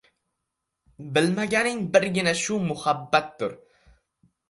Bilganim birgina shu muhabbatdir.